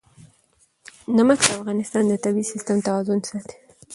نمک د افغانستان د طبعي سیسټم توازن ساتي.